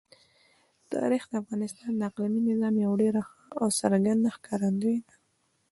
تاریخ د افغانستان د اقلیمي نظام یوه ډېره ښه او څرګنده ښکارندوی ده.